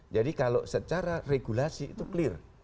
jadi kalau secara regulasi itu clear